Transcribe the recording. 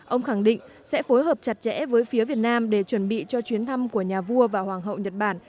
ông khẳng định sẽ phối hợp chặt chẽ với phía việt nam để chuẩn bị cho chuyến thăm của nhà vua và hoàng hậu nhật bản